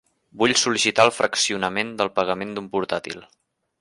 Vull sol·licitar el fraccionament del pagament d'un portàtil.